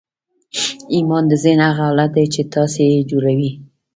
ایمان د ذهن هغه حالت دی چې تاسې یې جوړوئ